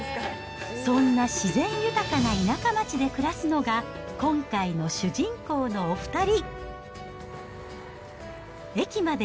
そんな自然豊かな田舎町で暮らすのが、今回の主人公のお２人。